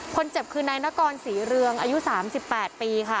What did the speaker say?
คนเจ็บคือนายนกรศรีเรืองอายุ๓๘ปีค่ะ